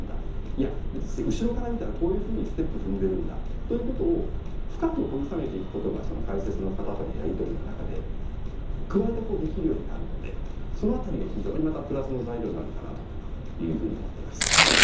いや後ろから見たらこういうふうにステップ踏んでるんだということを深く掘り下げて行くことがその解説の方とのやりとりの中で加えてできるようになるのでそのあたりが非常にまたプラスの材料になるかなというふうに思っています。